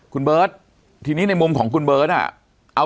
คุณเบิร์ตทีนี้ในมุมของคุณเบิร์ตอ่ะ